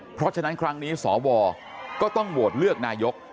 เพราะฉะนั้นครั้งนี้สวก็ต้องโหวตเลือกนายก